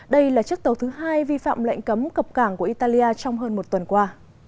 đây là chiếc tàu thứ hai vi phạm lệnh cấm cập cảng của italia trong hơn một tuần qua